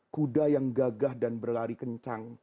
kuda yang gagah dan berlari kencang